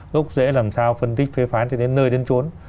gốc dễ làm sao phân tích phê phán cho đến nơi đến trốn